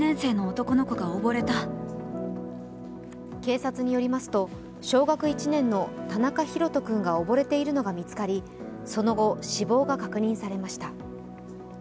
警察によりますと、小学１年の田中大翔君が溺れているのが見つかりその後、死亡が確認されました。